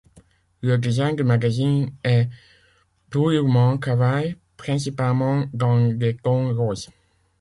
Le design du magazine est purement Kawaii, principalement dans des tons roses.